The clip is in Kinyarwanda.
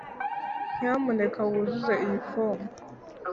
nyamuneka wuzuze iyi fomu.